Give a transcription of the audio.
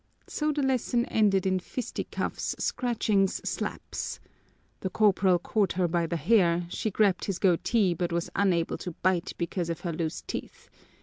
So the lesson ended in fisticuffs, scratchings, slaps. The corporal caught her by the hair; she grabbed his goatee, but was unable to bite because of her loose teeth.